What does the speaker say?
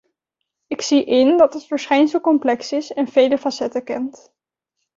Ik zie in dat het verschijnsel complex is en vele facetten kent.